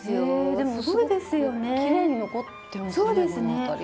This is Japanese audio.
でもすごくきれいに残ってますねこの辺り。